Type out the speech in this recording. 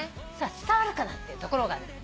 伝わるかなっていうところがね。